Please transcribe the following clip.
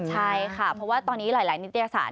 ใช่ค่ะเพราะว่าตอนนี้หลายนิตยศาส